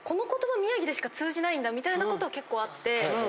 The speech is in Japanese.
宮城でしか通じないんだみたいなことは結構あって。